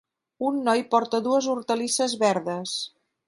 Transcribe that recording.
Un noi porta dues hortalisses verdes.